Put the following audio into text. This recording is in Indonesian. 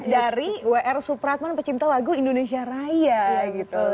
dari wr supratman pecinta lagu indonesia raya gitu